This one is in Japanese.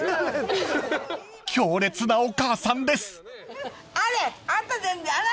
［強烈なお母さんです］